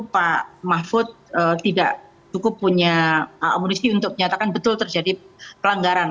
pak mahfud tidak cukup punya amunisi untuk menyatakan betul terjadi pelanggaran